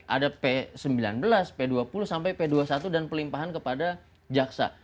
ada p sembilan belas p dua puluh sampai p dua puluh satu dan pelimpahan kepada jaksa